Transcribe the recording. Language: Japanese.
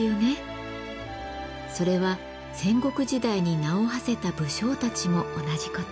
それは戦国時代に名をはせた武将たちも同じこと。